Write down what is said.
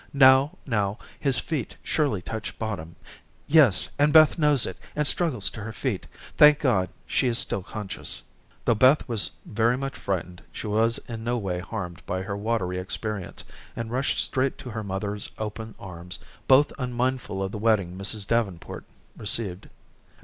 Now, now, his feet surely touch bottom. Yes, and Beth knows it and struggles to her feet. Thank God, she is still conscious." Though Beth was very much frightened, she was in no way harmed by her watery experience, and rushed straight to her mother's open arms, both unmindful of the wetting Mrs. Davenport received.